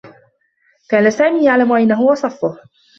كان سامي يعلم أين هو صفّه.